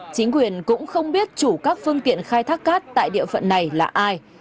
chính quyền cũng không biết chủ các phương tiện khai thác cát tại địa phận này là ai